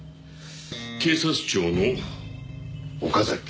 警察庁の岡崎警視。